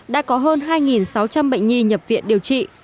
đã có hơn hai sáu trăm linh bệnh nhi nhập viện điều trị